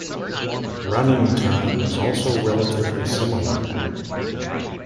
Running time is also relatively similar.